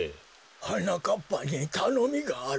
はなかっぱにたのみがある。